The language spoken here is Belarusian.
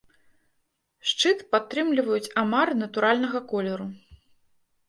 Шчыт падтрымліваюць амары натуральнага колеру.